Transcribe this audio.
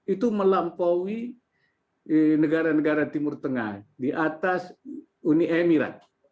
itu melampaui negara negara timur tengah di atas uni emirat